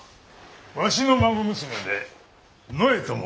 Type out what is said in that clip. わしの孫娘でのえと申す。